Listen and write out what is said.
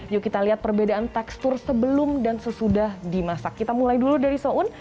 yuk kita lihat perbedaan tekstur sebelum dan sesudah dimasak kita mulai dulu dari soun